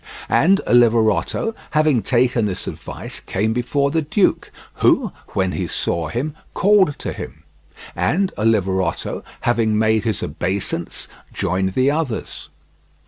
And Oliverotto, having taken this advice, came before the duke, who, when he saw him, called to him; and Oliverotto, having made his obeisance, joined the others.